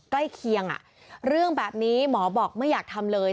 ใกล้เคียงเรื่องแบบนี้หมอบอกไม่อยากทำเลย